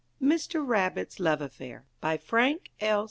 MISTER RABBIT'S LOVE AFFAIR BY FRANK L.